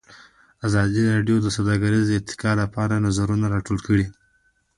ازادي راډیو د سوداګري د ارتقا لپاره نظرونه راټول کړي.